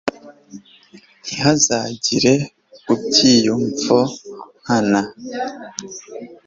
ntihazagire ibyiyumvo nkana